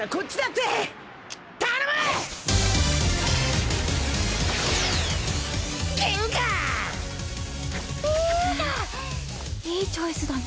へぇいいチョイスだね。